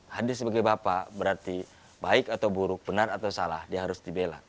hadir sebagai bapak berarti baik atau buruk benar atau salah dia harus dibela